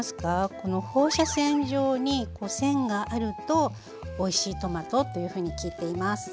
この放射線状にこう線があるとおいしいトマトというふうに聞いています。